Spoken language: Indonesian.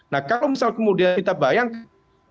nah kalau misal kemudian kita bayangkan